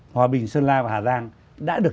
hòa bình sơn la và hà giang đã được